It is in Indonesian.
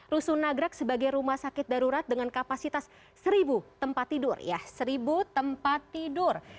rusun nagrak sebagai rumah sakit darurat dengan kapasitas seribu tempat tidur